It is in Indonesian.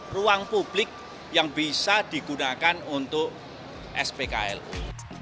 ruang publik yang bisa digunakan untuk spklu